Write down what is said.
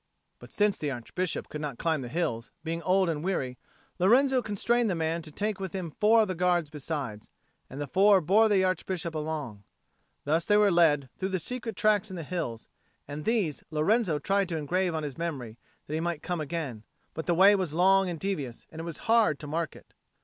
But since the Archbishop could not climb the hills, being old and weary, Lorenzo constrained the man to take with him four of the Guards besides; and the four bore the Archbishop along. Thus they were led through the secret tracks in the hills, and these Lorenzo tried to engrave on his memory, that he might come again. But the way was long and devious, and it was hard to mark it.